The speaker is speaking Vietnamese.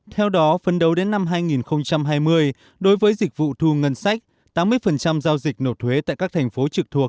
theo đó phân đấu đến năm hai nghìn hai mươi đối với dịch vụ thu ngân sách tám mươi giao dịch nộp thuế tại các thành phố trực thuộc